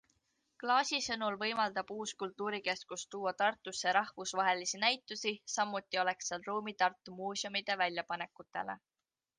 Klaasi sõnul võimaldab uus kultuurikeskus tuua Tartusse rahvusvahelisi näitusi, samuti oleks seal ruumi Tartu muuseumide väljapanekutele.